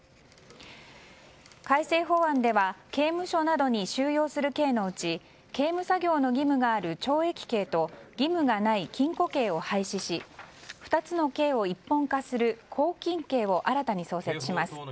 改正法案では刑務所などに収容する刑のうち刑務作業の義務がある懲役刑と義務がない禁錮刑を廃止し２つの刑を一本化する拘禁刑を新たに創設します。